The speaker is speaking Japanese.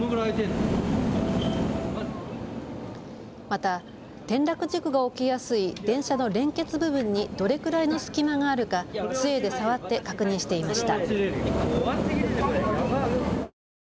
また、転落事故が起きやすい電車の連結部分にどれくらいの隙間があるかつえで触って確認していました。